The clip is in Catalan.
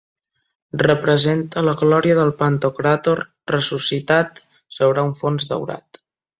Representa la Glòria del Pantocràtor, ressuscitat, sobre un fons daurat.